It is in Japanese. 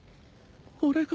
俺が？